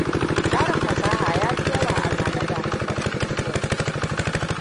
Tarin fasaha ya fi yawa a zane-zanen ƙwararrun Dutch.